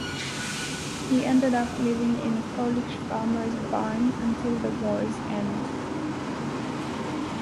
He ended up living in a Polish farmer's barn until the war's end.